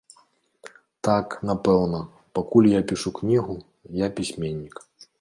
Так, напэўна, пакуль я пішу кнігу, я пісьменнік.